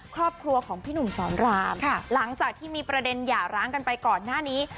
ครอบครัวของพี่หนุ่มสอนรามหลังจากที่มีประเด็นหย่าร้างกันไปก่อนหน้านี้